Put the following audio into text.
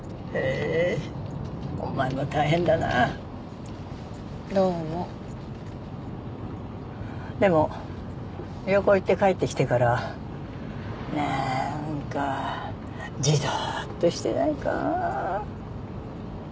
えーお前も大変だなどうもでも旅行行って帰ってきてからなーんかじとーっとしてないか？